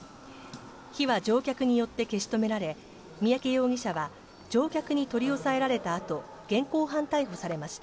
火は乗客によって消し止められ、三宅容疑者は乗客に取り押さえられたあと、現行犯逮捕されました。